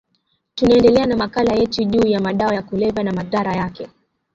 tunaendela na makala yetu juu ya madawa ya kulevya na madhara yake